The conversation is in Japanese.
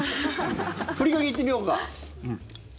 ふりかけいってみようか。